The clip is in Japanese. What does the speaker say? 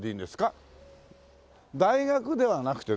大学ではなくてですね